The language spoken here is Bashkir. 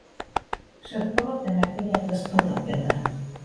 Шырпы ла, тәмәке лә лысҡылдап ята.